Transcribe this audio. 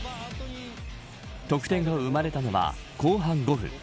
得点が生まれたのは、後半５分。